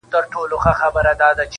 شیخه زما او ستا بدي زړه ده له ازله ده -